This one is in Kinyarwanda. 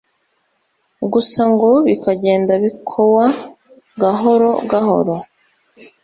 gusa ngo bikagenda bikowa gahoro gahoro